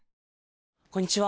こんにちは。